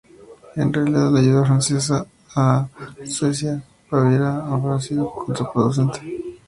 En realidad, la ayuda francesa a Suecia y Baviera habría sido contraproducente.